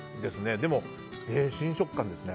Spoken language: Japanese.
でも新食感ですね。